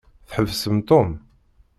Tḥebsem Tom?